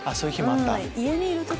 家にいる時。